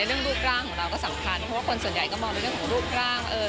เรื่องรูปร่างของเราก็สำคัญเพราะว่าคนส่วนใหญ่ก็มองในเรื่องของรูปร่าง